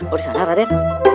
oh dari sana raden